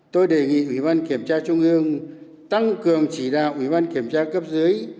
tôi đề nghị ủy ban kiểm tra trung ương tăng cường chỉ đạo ủy ban kiểm tra cấp dưới